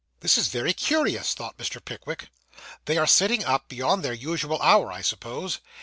'This is very curious,' thought Mr. Pickwick. 'They are sitting up beyond their usual hour, I suppose.